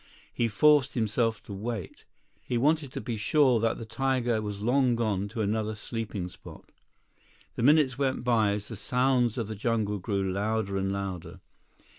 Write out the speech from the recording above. He forced himself to wait. He wanted to be sure that the tiger was long gone to another sleeping spot. The minutes went by as the sounds of the jungle grew louder and louder.